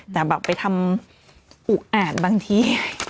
แต่แบบไปทำอุอาจบางที